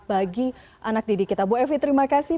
bagi anak didik kita bu evi terima kasih